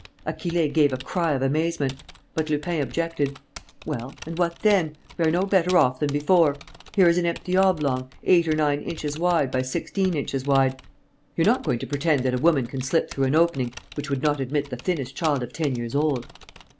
Achille gave a cry of amazement. But Lupin objected: "Well? And what then? We are no better off than before. Here is an empty oblong, eight or nine inches wide by sixteen inches high. You're not going to pretend that a woman can slip through an opening which would not admit the thinnest child of ten years old!"